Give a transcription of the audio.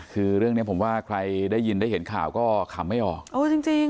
คือเรื่องเนี้ยผมว่าใครได้ยินได้เห็นข่าวก็ขำไม่ออกโอ้จริงจริง